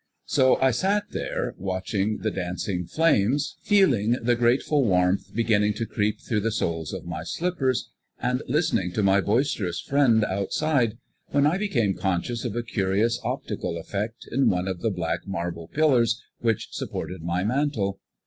So I sat there, watching the dancing flames, feeling the grateful warmth beginning to creep through the soles of my slippers, and listening to my boisterous friend outside, when I became conscious of a curious optical effect in one of the black marble pillars which supported my mantel.